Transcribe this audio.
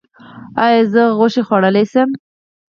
ایا زه غوښه خوړلی شم؟